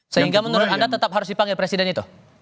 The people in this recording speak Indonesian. sehingga menurut anda tetap harus dipanggil presiden itu